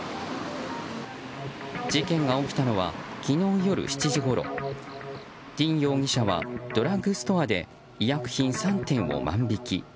事件が起きたのは昨日夜７時ごろディン容疑者はドラッグストアで医薬品３点を万引き。